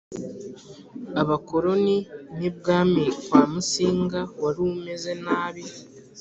abakoroni n ibwami kwa Musinga wari umeze nabi